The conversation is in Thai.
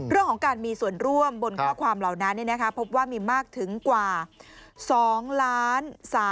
เรื่องของการมีส่วนร่วมบนข้อความเหล่านั้นพบว่ามีมากถึงกว่า๒ล้าน